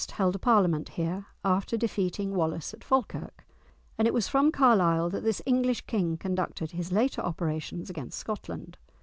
held a parliament here after defeating Wallace at Falkirk; and it was from Carlisle that this English King conducted his later operations against Scotland.